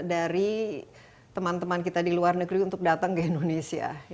dari teman teman kita di luar negeri untuk datang ke indonesia